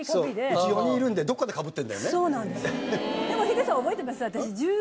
うち４人いるのでどっかでかぶってるんだよね。